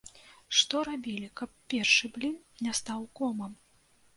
Што рабілі, каб першы блін не стаў комам?